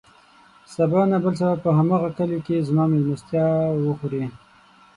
سبا نه، بل سبا به په هماغه کليو کې زما مېلمستيا وخورې.